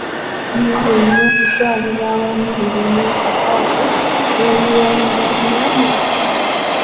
Bino byonna okutwalira awamu birina akakwate n'obuwangaaliro bwaffe.